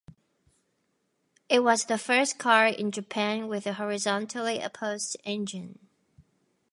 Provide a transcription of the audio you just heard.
It was the first car in Japan with a horizontally opposed engine.